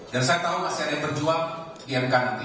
dan saya tahu masih ada yang berjuang imk nanti